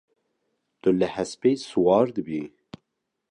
Tu li hespê siwar dibî?